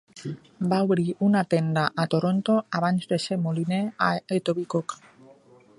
Va obrir una tenda a Toronto abans de ser moliner a Etobicoke.